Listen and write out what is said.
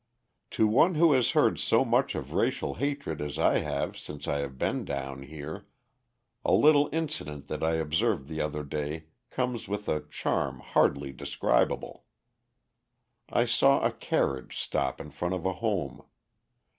To one who has heard so much of racial hatred as I have since I have been down here, a little incident that I observed the other day comes with a charm hardly describable. I saw a carriage stop in front of a home.